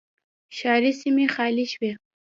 ښاري سیمې خالي شوې